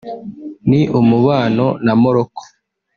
ni umubano na Morocco